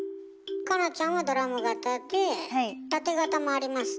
夏菜ちゃんはドラム型でタテ型もありますね。